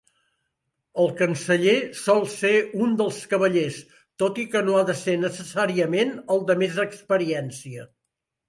El canceller sol ser un dels cavallers, tot i que no ha de ser necessàriament el de més experiència.